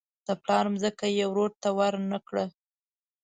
د پلار ځمکه یې ورور ته ورنه کړه.